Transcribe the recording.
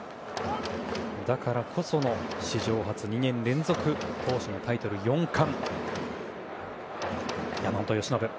だからこその史上初２年連続投手のタイトル４冠。